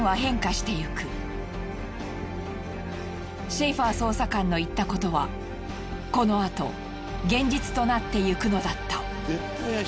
シェイファー捜査官の言ったことはこのあと現実となっていくのだった。